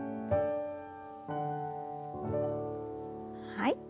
はい。